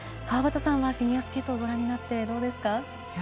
川端さんはフィギュアスケートをご覧になってどうですか？